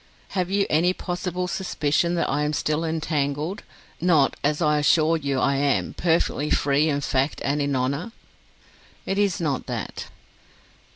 "Have you any possible suspicion that I am still entangled, not, as I assure you I am, perfectly free in fact and in honour?" "It is not that."